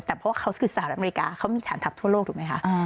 แต่เพราะว่าเขาคือสหรัฐอเมริกาเขามีฐานทัพทั่วโลกถูกไหมคะ